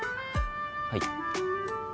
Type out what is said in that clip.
はい